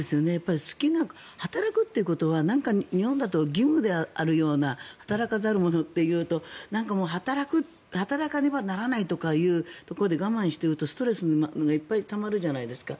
働くということは日本だと義務であるような働かざる者というとなんか働かねばならないというところで我慢していると、ストレスがいっぱいたまるじゃないですか。